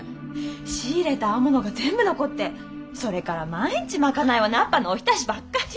仕入れた青物が全部残ってそれから毎日賄いは菜っぱのお浸しばっかり。